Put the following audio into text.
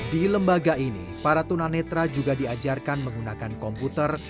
di lembaga ini para tunanetra juga diajarkan menggunakan komputer